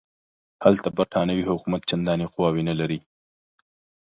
هلته برټانوي حکومت چنداني قواوې نه لري.